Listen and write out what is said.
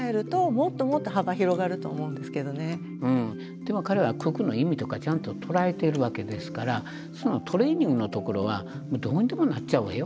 でも彼は九九の意味とかちゃんと捉えてるわけですからそのトレーニングのところはもうどうにでもなっちゃうわよ。